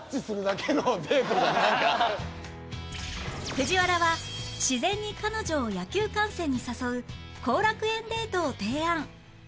藤原は自然に彼女を野球観戦に誘う後楽園デートを提案